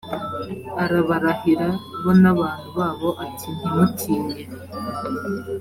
arabarahira bo n abantu babo ati ntimutinye